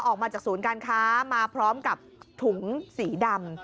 ออกมาจากศูนย์การค้ามาพร้อมกับถุงสีดำ